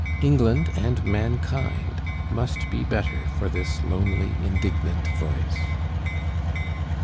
England and mankind must be better for this lonely, indignant voice.